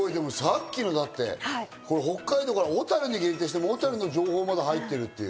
さっきのだって北海道から小樽に限定しても、小樽の情報まで入ってる。